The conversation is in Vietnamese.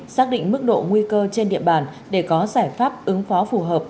xác định mức độ nguy cơ trên địa bàn để có giải pháp ứng phó phù hợp